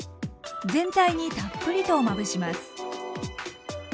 全体にたっぷりとまぶします。